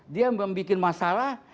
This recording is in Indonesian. dia yang bikin masalah